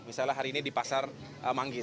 misalnya hari ini di pasar manggi